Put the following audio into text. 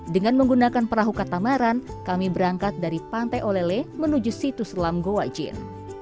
dengan menggunakan perahu katamaran kami berangkat dari pantai olele menuju situs lam gowajin